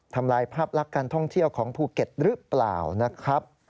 ทำลายภาพลักษณ์การท่องเที่ยวของภูเก็ตหรือเปล่านะครับ